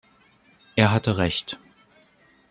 Er hatte Recht.